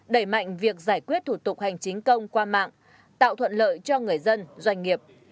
đẩy mạnh việc giải quyết thủ tục hành chính công qua mạng tạo thuận lợi cho người dân doanh nghiệp